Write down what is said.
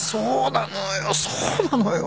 そうなのよ